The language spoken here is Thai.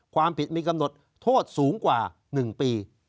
ความผิดมีกำหนดโทษสูงกว่า๑ปี